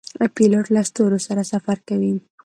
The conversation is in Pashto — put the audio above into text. پیلوټ له ستورو سره سفر کوي.